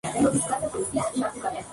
Su estado era malo cuando se cerró.